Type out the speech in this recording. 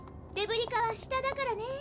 デブリ課は下だからね。